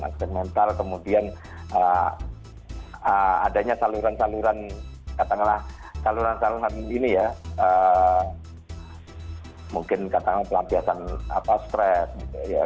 aspek mental kemudian adanya saluran saluran katakanlah saluran saluran ini ya mungkin katakanlah kebiasaan apa stress gitu ya